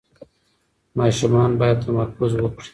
ماشومان باید تمرکز وکړي.